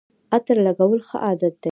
عطر لګول ښه عادت دی